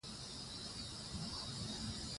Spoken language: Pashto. جهالت تیاره ده.